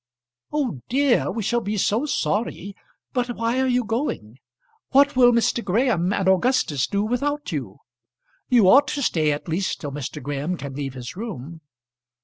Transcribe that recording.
"Oh dear! we shall be so sorry. But why are you going? What will Mr. Graham and Augustus do without you? You ought to stay at least till Mr. Graham can leave his room."